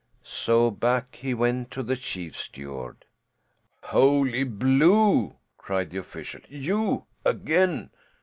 So back he went to the chief steward. "Holy Blue!" cried that official. "You? Again?